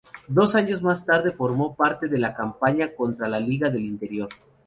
Dos años más tarde formó parte de la campaña contra la Liga del Interior.